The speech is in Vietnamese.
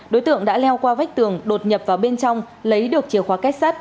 đối tượng đã leo qua vách tường đột nhập vào bên trong lấy được chìa khóa kết sắt